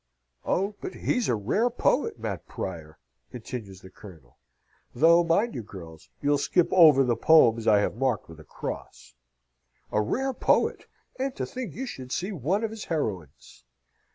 "Oh, but he's a rare poet, Mat Prior!" continues the Colonel; "though, mind you, girls, you'll skip over all the poems I have marked with a cross. A rare poet! and to think you should see one of his heroines!